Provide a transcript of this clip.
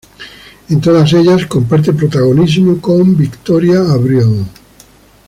En todas ellas comparte protagonismo con Victoria Abril.